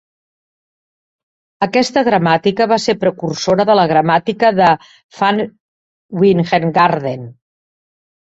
Aquesta gramàtica va ser precursora de la gramàtica de Van Wijngaarden.